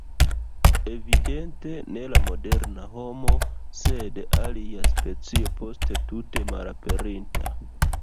Evidente ne la moderna homo, sed alia specio poste tute malaperinta.